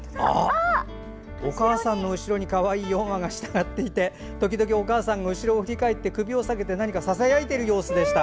お母さんの後ろにかわいい４羽が従っていて時々、お母さんが後ろを振り返って首を下げて何かささやいている様子でした。